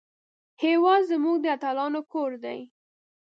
هېواد زموږ د اتلانو کور دی